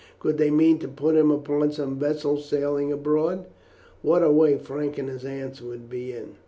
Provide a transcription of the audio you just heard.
Could they mean to put him upon some vessel sailing abroad? What a way Frank and his aunt would be in!